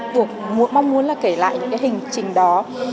tự thân đam mê và tôi mong muốn là kể lại những cái hình trình đó